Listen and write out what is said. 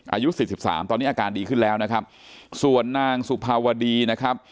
อายุสี่สิบสามตอนนี้อาการดีขึ้นแล้วนะครับส่วนนางสุภาวดีนะครับ